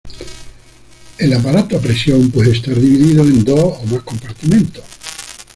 El aparato a presión puede estar dividido en dos o más compartimentos.